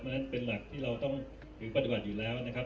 เพราะฉะนั้นเป็นหลักที่เราต้องถือปฏิบัติอยู่แล้วนะครับ